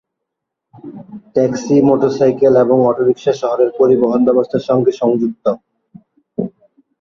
Taxi, motorcycle এবং অটোরিক্সা শহরের পরিবহন ব্যবস্থার সঙ্গে সংযুক্ত।